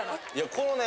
このね。